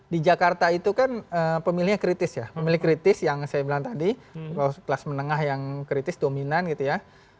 di jakarta itu kan pemilihnya kritis ya pemilih kritis yang saya bilang tadi kelas menengah yang kritis dominan gitu ya